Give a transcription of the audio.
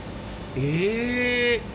え？